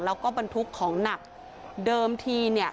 แล้วก็บรรทุกของหนักเดิมทีเนี่ย